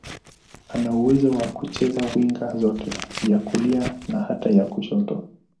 Ana uwezo wa kucheza winga zote, ya kulia na hata ya kushoto.